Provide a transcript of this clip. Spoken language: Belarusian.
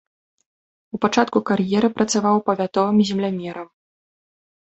У пачатку кар'еры працаваў павятовым землямерам.